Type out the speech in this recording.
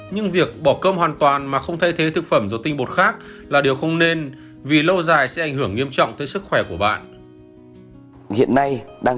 nhưng việc bỏ cơm hoàn toàn mà không thay thế thực phẩm do tinh bột khác là điều không nên vì lâu dài sẽ ảnh hưởng nghiêm trọng tới sức khỏe của bạn